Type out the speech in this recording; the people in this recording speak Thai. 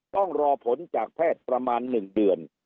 ต้องรอผลจากแพทย์ประมาณ๑เดือน